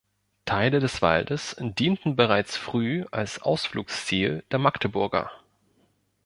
Teile des Waldes dienten bereits früh als Ausflugsziel der Magdeburger.